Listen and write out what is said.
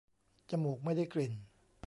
จมูกไม่ได้กลิ่น